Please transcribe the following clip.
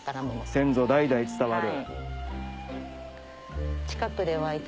先祖代々伝わる。